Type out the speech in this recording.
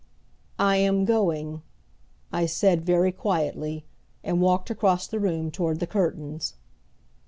"I am going," I said, very quietly, and walked across the room toward the curtains.